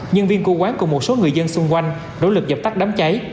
nhân viên của quán cùng một số người dân xung quanh nỗ lực dập tắt đám cháy